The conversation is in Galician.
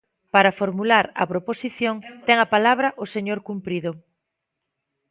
Para formular a proposición, ten a palabra o señor Cumprido.